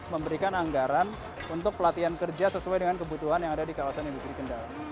memberikan anggaran untuk pelatihan kerja sesuai dengan kebutuhan yang ada di kawasan industri kendal